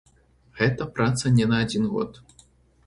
Гэта праца не на адзін год.